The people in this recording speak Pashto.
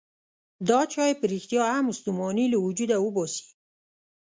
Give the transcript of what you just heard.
دا چای په رښتیا هم ستوماني له وجوده وباسي.